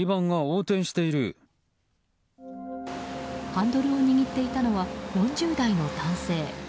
ハンドルを握っていたのは４０代の男性。